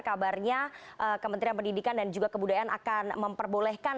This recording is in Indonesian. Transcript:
kabarnya kementerian pendidikan dan juga kebudayaan akan memperbolehkan